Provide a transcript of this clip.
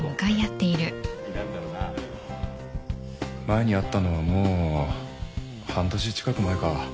前に会ったのはもう半年近く前か。